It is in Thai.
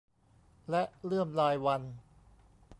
และเลื่อมลายวรรณ